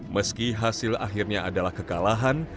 meski hasil akhirnya adalah kekalahan